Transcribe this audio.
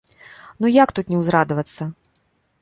Ну як тут не ўзрадавацца.